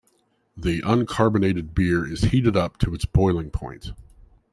The uncarbonated beer is heated up to its boiling point.